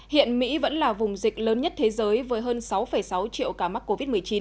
hiện mỹ vẫn là vùng dịch lớn nhất thế giới với hơn sáu sáu triệu ca mắc covid một mươi chín